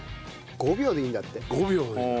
５秒でいいんだ。